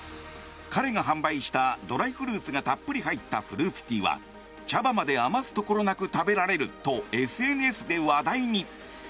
彼が販売したドライフルーツがたっぷり入ったフルーツティーは茶葉なく余すことなく食べられるとＳＮＳで話題に。